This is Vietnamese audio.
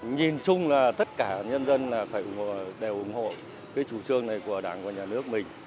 nhìn chung là tất cả nhân dân đều ủng hộ cái chủ trương này của đảng và nhà nước mình